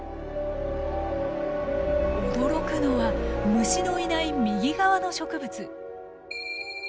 驚くのは虫のいない右側の植物。